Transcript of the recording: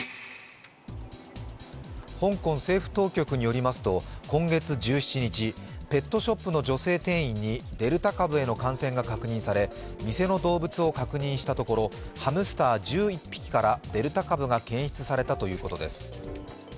香港政府当局によりますと今月１７日ペットショップの女性店員にデルタ株への感染が確認され店の動物を確認したところハムスター１１匹からデルタ株が検出されたということです。